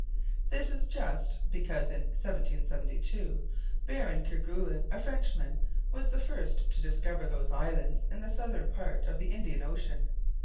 This is just, because in 1772, Baron Kerguelen, a Frenchman, was the first to discover those islands in the southern part of the Indian Ocean.